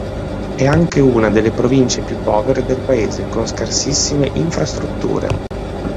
È anche una delle province più povere del paese, con scarsissime infrastrutture.